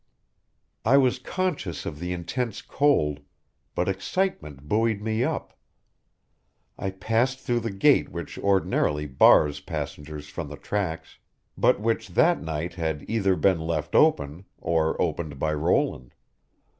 "I was conscious of the intense cold, but excitement buoyed me up. I passed through the gate which ordinarily bars passengers from the tracks, but which that night had either been left open or opened by Roland.